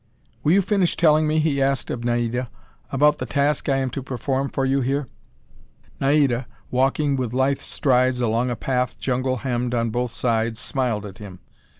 "Will you finish telling me," he asked of Naida, "about the task I am to perform for you here?" Naida, walking with lithe strides along a path jungle hemmed on both sides, smiled at him.